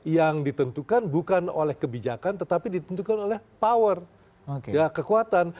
yang ditentukan bukan oleh kebijakan tetapi ditentukan oleh power kekuatan